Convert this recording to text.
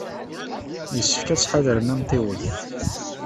Yessefk ad tḥadrem amtiweg.